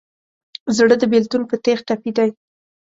زړه د بېلتون په تیغ ټپي دی.